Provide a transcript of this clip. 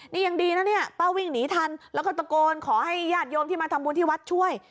นี่ยังดีนะเนี่ยป้าวิ่งหนีทันแล้วก็ตะโกนขอให้ญาติโยมที่มาทำบุญที่วัดช่วย